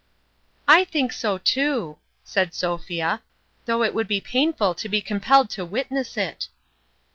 " I think so too," said Sophia, " though it would be painful to be compelled to witness it!"